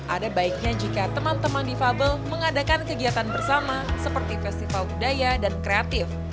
ada baiknya jika teman teman difabel mengadakan kegiatan bersama seperti festival budaya dan kreatif